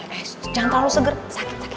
eh jangan terlalu seger sakit sakit